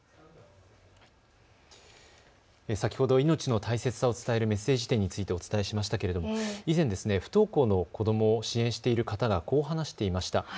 先ほど命の大切さを伝えるメッセージ展についてお伝えしましたけれども、以前、不登校の子どもを支援している方がこう話していました。